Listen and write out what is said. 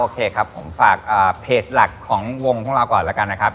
ครับผมฝากเพจหลักของวงพวกเราก่อนแล้วกันนะครับ